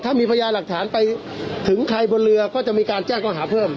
ถ้ามีพยาหลักฐานไปถึงใครบนเรือก็จะมีการแจ้งข้อหาเพิ่ม